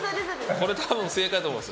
これたぶん正解だと思います。